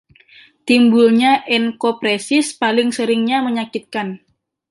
Timbulnya enkopresis paling seringnya menyakitkan.